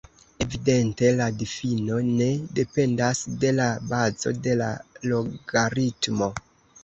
Evidente la difino ne dependas de la bazo de la logaritmo.